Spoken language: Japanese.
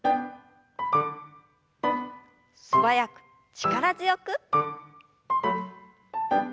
素早く力強く。